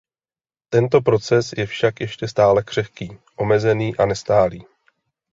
Tento proces je však ještě stále křehký, omezený a nestálý.